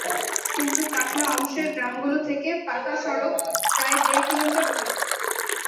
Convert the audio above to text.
কিন্তু কাটলা অংশের গ্রামগুলো থেকে পাকা সড়ক প্রায় দেড় কিলোমিটার দূরে।